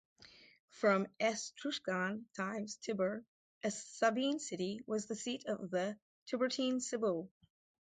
From Etruscan times Tibur, a Sabine city, was the seat of the Tiburtine Sibyl.